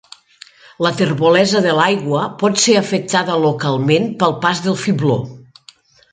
La terbolesa de l'aigua pot ser afectada localment pel pas del fibló.